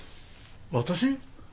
私？